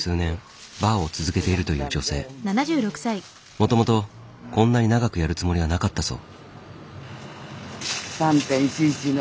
もともとこんなに長くやるつもりはなかったそう。